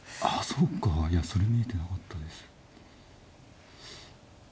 あそうかいやそれ見えてなかったです。